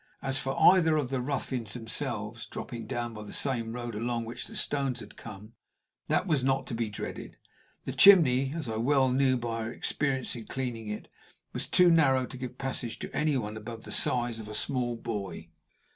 As for either of the ruffians themselves dropping down by the same road along which the stones had come, that was not to be dreaded. The chimney, as I well knew by our experience in cleaning it, was too narrow to give passage to any one above the size of a small boy.